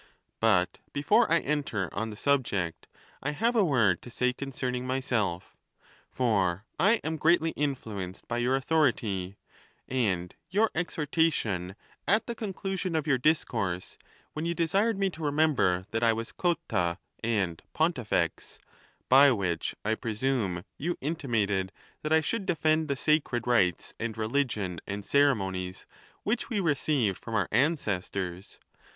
But before I enter on the sub ject, I have a word to say concerning myself ; for I am greatly influenced by your authority, and your exhortation at the conclusion of your discourse, when you desired me to remember that I was Cotta and Pontifex ; by which I presume you intimated that I should defend the sacred rites and religion and ceremonies which we received from our ancestors.